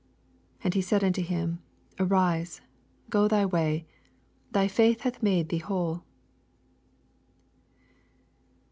19 And he said unto him. Arise, go thy way : thy faith hath made thee whole.